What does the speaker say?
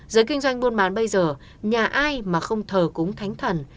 giới kinh doanh buôn bán bây giờ nhà ai mà không thờ cúng thánh thần